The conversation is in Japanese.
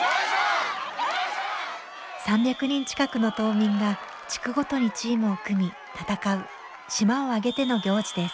３００人近くの島民が地区ごとにチームを組み戦う島を挙げての行事です。